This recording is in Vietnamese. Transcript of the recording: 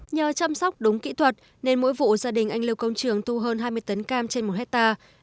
nhờ chăm sóc đúng kỹ thuật nên mỗi vụ gia đình anh lưu công trường thu hơn hai mươi tấn cam trên một hectare